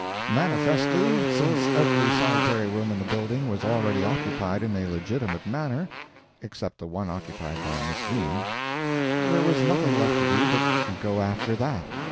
Manifestly, since every solitary room in the building was already occupied in a legitimate manner, except the one occupied by Miss Ream, there was nothing left to do but go after that.